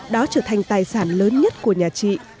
đó trở thành tài sản lớn nhất của nhà chị